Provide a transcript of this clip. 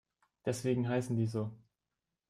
Deswegen heißen die so.